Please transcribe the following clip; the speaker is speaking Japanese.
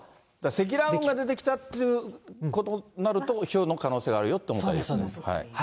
積乱雲が出てきたということになると、ひょうの可能性があるそうです、そうです。